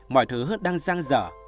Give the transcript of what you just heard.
mọi thứ đang giang dở